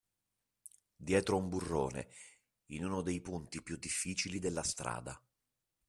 Dietro un burrone, in uno dei punti più difficili della strada.